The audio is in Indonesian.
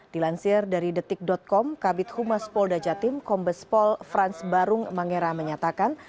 dilansir dari detik com kabit humas polda jatim kombes pol frans barung mangera menyatakan